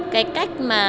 cái cách mà